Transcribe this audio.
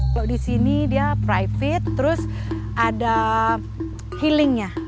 kalau di sini dia private terus ada healingnya